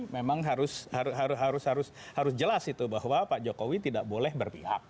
memang harus jelas itu bahwa pak jokowi tidak boleh berpihak